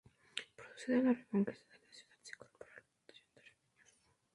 Producida la Reconquista de la ciudad, se incorporó al Batallón de Arribeños.